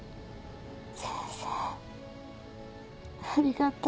ありがとう。